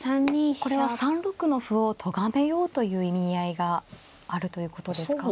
これは３六の歩をとがめようという意味合いがあるということですか。